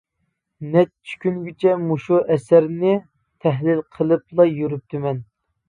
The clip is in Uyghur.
نەچچە كۈنگىچە مۇشۇ ئەسەرنى تەھلىل قىلىپلا يۈرۈپتىمەن.